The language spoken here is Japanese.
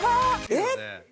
えっ！？